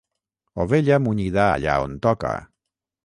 Ovella munyida allà on toca.